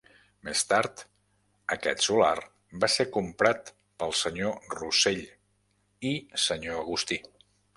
Més tard aquest solar va ser comprat pel senyor Rossell i senyor Agustí.